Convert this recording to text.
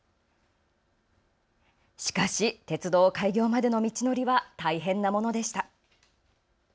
しかし鉄道開業までの道のりは大変なものでした。